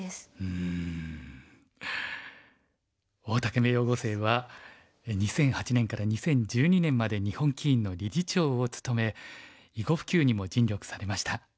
大竹名誉碁聖は２００８年から２０１２年まで日本棋院の理事長を務め囲碁普及にも尽力されました。